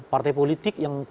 partai politik yang